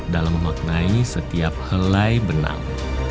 dalam memaknai setiap helai benang